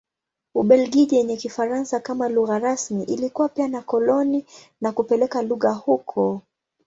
Ubelgiji yenye Kifaransa kama lugha rasmi ilikuwa pia na koloni na kupeleka lugha huko.